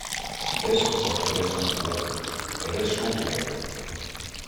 Es porque eres un juguete. Eres su juguete .